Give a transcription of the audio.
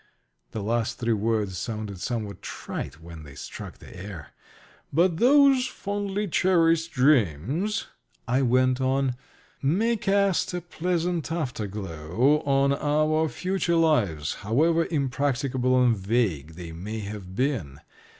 The last three words sounded somewhat trite when they struck the air. "But those fondly cherished dreams," I went on, "may cast a pleasant afterglow on our future lives, however impracticable and vague they may have been.